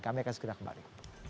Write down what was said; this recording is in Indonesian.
kami akan segera kembali